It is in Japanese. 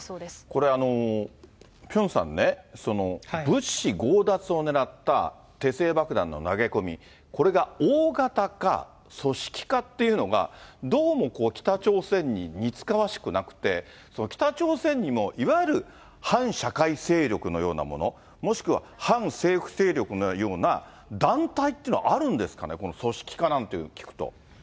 これ、ピョンさんね、物資強奪を狙った手製爆弾の投げ込み、これが大型化、組織化っていうのが、どうもこう、北朝鮮に似つかわしくなくって、北朝鮮にもいわゆる反社会勢力のようなもの、もしくは反政府勢力のような団体というのはあるんですかね、この組織化なんて聞くと。